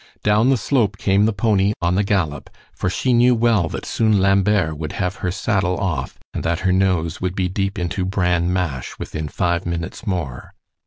Down the slope came the pony on the gallop, for she knew well that soon Lambert would have her saddle off, and that her nose would be deep into bran mash within five minutes more.